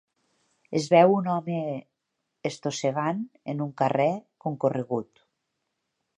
Es veu un home estossegant en un carrer concorregut.